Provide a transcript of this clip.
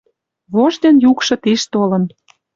Вождьын юкшы тиш толын.